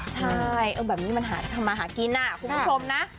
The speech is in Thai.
ใช่แบบนี้มันหาทำมาหากินคุณผู้ชมนะ